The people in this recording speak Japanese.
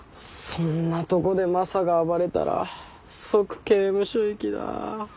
そんなとこでマサが暴れたら即刑務所行きだ。